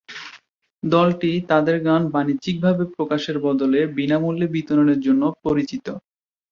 দলটি তাদের গান বাণিজ্যিকভাবে প্রকাশের বদলে বিনামূল্যে বিতরণের জন্য পরিচিত।